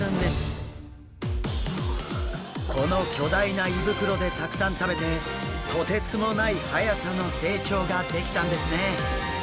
この巨大な胃袋でたくさん食べてとてつもないはやさの成長ができたんですね。